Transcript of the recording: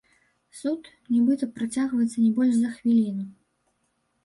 Суд, нібыта, працягваецца не больш за хвіліну.